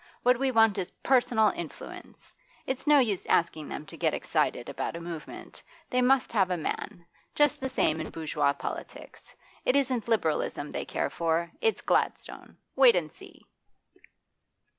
What we want is personal influence. It's no use asking them to get excited about a movement; they must have a man. Just the same in bourgeois politics. It isn't Liberalism they care for; it's Gladstone. Wait and see!